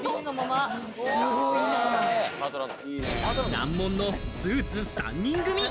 難問のスーツ３人組。